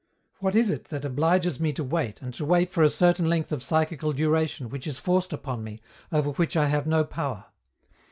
What is it that obliges me to wait, and to wait for a certain length of psychical duration which is forced upon me, over which I have no power?